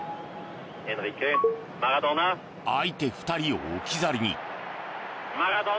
相手２人を置き去りに。